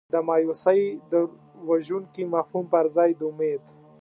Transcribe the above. د مایوسۍ د وژونکي مفهوم پر ځای د امید.